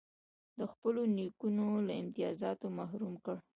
د خپلو نیکونو له امتیازاتو محروم کړ.